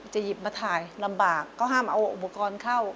หยิบมาถ่ายลำบากก็ห้ามเอาอุปกรณ์เข้า